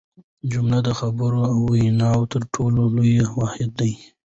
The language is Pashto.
جمله د خبرو او ویناوو تر ټولو لوی واحد دئ.